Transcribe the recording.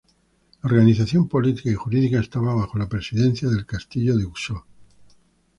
La organización política y jurídica estaba bajo la presidencia del Castillo de Uxó.